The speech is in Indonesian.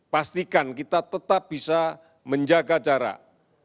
pastikan kita tetap bisa menjaga jarak